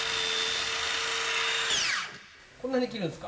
こんなに切るんですか？